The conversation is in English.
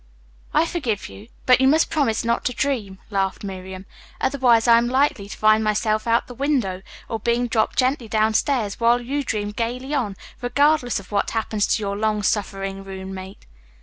"I forgive you, but you must promise not to dream," laughed Miriam. "Otherwise I am likely to find myself out the window or being dropped gently downstairs while you dream gaily on, regardless of what happens to your long suffering roommate."